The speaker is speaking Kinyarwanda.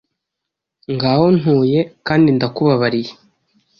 Ngaho ntuye kandi ndakubabariye;